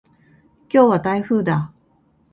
今日は台風だ。